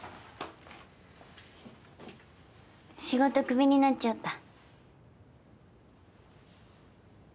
仕事クビになっちゃった。